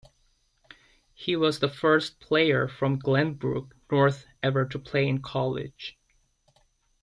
He was the first player from Glenbrook North ever to play in college.